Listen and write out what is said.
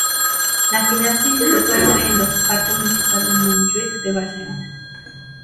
La final se disputó en los Parque Municipal de Montjuïc de Barcelona.